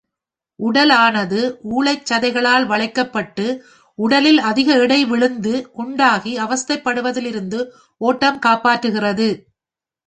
உடலானது ஊளைச்சதைகளால் வளைக்கப்பட்டு உடலில் அதிக எடை விழுந்து, குண்டாகி, அவஸ்தைப்படுவதிலிருந்து ஒட்டம் காப்பாற்றுகிறது.